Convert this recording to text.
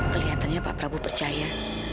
kelihatannya pak prabu percaya